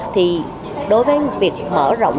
thì đối với việc mở rộng